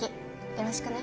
よろしくね。